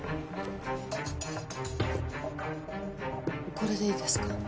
これでいいですか？